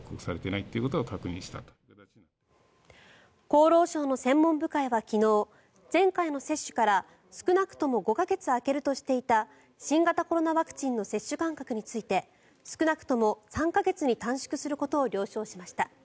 厚労省の専門部会は昨日前回の接種から少なくとも５か月空けるとしていた新型コロナワクチンの接種間隔について少なくとも３か月に短縮することを了承しました。